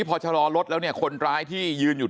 ทำให้สัมภาษณ์อะไรต่างนานไปออกรายการเยอะแยะไปหมด